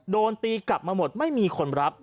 โดนตีกลับมาหมดไม่มีคนรับ